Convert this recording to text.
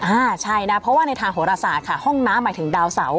อ่าใช่นะเพราะว่าในทางโหรศาสตร์ค่ะห้องน้ำหมายถึงดาวเสา